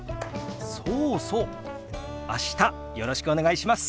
そうそう明日よろしくお願いします。